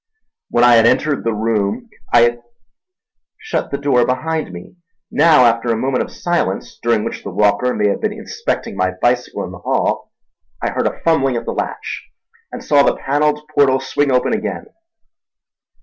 When I had entered the room I had shut the door behind me. Now, after a moment of silence during which the walker may have been inspecting my bicycle in the hall, I heard a fumbling at the latch and saw the panelled portal swing open again.